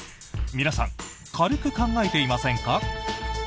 皆さん、軽く考えていませんか？